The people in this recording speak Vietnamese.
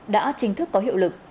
đã chính thức có hiệu lực